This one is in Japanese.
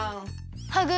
ハグ